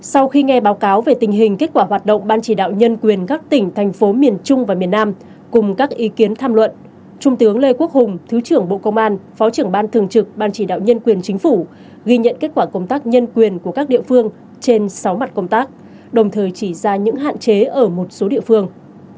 sau khi nghe báo cáo về tình hình kết quả hoạt động ban chỉ đạo nhân quyền các tỉnh thành phố miền trung và miền nam cùng các ý kiến tham luận trung tướng lê quốc hùng thứ trưởng bộ công an phó trưởng ban thường trực ban chỉ đạo nhân quyền chính phủ ghi nhận kết quả công tác nhân quyền của các địa phương trên sáu mặt công tác đồng thời chỉ ra những hạn chế ở một số địa phương